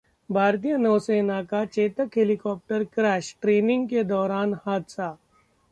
भारतीय नौसेना का चेतक हेलिकॉप्टर क्रैश, ट्रेनिंग के दौरान हादसा